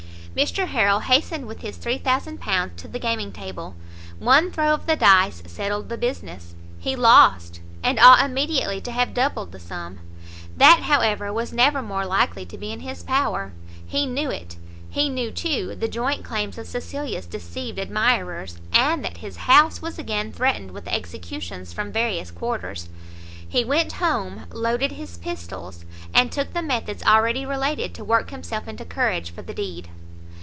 Mr Harrel hastened with his £3000 to the gaming table; one throw of the dice settled the business, he lost, and ought immediately to have doubled the sum. That, however, was never more likely to be in his power; he knew it; he knew, too, the joint claims of Cecilia's deceived admirers, and that his house was again threatened with executions from various quarters; he went home, loaded his pistols, and took the methods already related to work himself into courage for the deed.